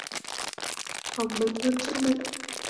Phòng bệnh hơn chữa bệnh.